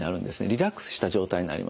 リラックスした状態になります。